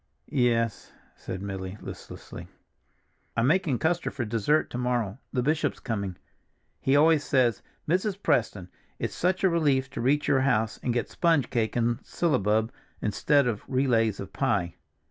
"Yes," said Milly listlessly. "I'm making custard for dessert to morrow; the bishop's coming. He always says, 'Mrs. Preston, it's such a relief to reach your house and get sponge cake and syllabub, instead of relays of pie!